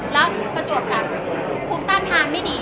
แล้วก็จุดแก่ปิกต่างทางไม่ดี